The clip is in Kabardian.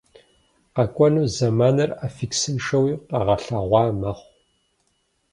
Къэкӏуэну зэманыр аффиксыншэуи къэгъэлъэгъуа мэхъу.